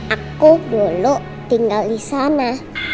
aku dulu tinggal di sana